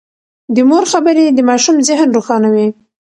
د مور خبرې د ماشوم ذهن روښانوي.